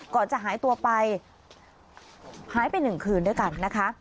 ก่อนจะหายตัวไปหายไปหนึ่งคืนด้วยกันนะคะ